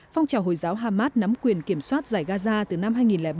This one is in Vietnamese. phong trào hồi giáo hamas nắm quyền kiểm soát giải gaza từ năm hai nghìn bảy